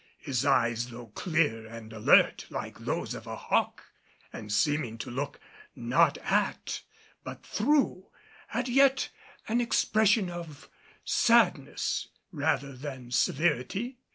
His eyes, though clear and alert like those of a hawk and seeming to look not at but through, had yet an expression of sadness rather than severity.